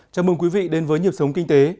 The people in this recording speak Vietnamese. chào mừng quý vị đến với nhịp sống kinh tế